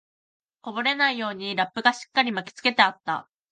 こぼれないようにラップがしっかり巻きつけてあった